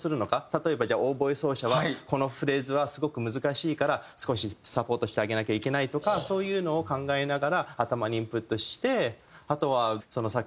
例えばじゃあオーボエ奏者はこのフレーズはすごく難しいから少しサポートしてあげなきゃいけないとかそういうのを考えながら頭にインプットして。